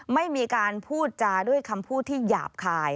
ไม่มีการพูดจาด้วยคำพูดที่หยาบคาย